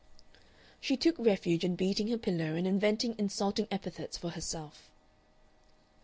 She took refuge in beating her pillow and inventing insulting epithets for herself.